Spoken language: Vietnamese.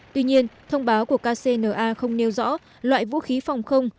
tuy nhiên thông báo của kcna không nêu rõ loại vũ khí phòng không